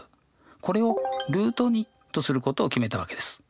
これをとすることを決めたわけです。